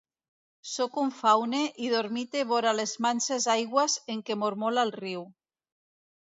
Soc un faune i dormite vora les manses aigües en què mormola el riu.